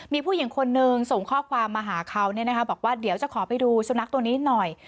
มีผู้หญิงคนนึงส่งข้อความมาหาเขาบอกว่าเดี๋ยวจะขอไปดูสุนัขตัวนี้หน่อย